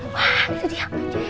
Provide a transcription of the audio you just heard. wah itu dia